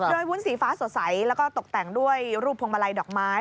โดยวุ้นสีฟ้าสดใสแล้วก็ตกแต่งด้วยรูปพวงมาลัยดอกไม้